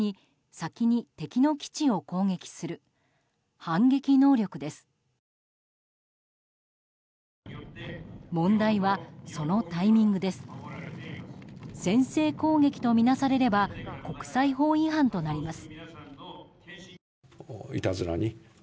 先制攻撃とみなされれば国際法違反となります。